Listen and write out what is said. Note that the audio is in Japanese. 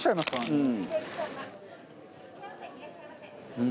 うん。